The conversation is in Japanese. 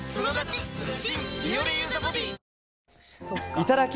いただき！